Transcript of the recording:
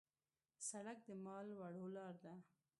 سړک د مال وړلو لار ده.